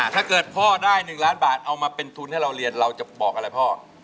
ถ้าเกิดพ่อได้๑ล้านบาทเอามาเป็นทุนให้เราเรียนเราจะบอกอะไรพ่อ